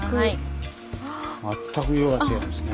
全く色が違いますね。